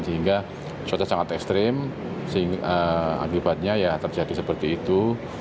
sehingga cuaca sangat ekstrim akibatnya ya terjadi seperti itu